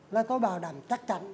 là tôi bảo đảm chắc chắn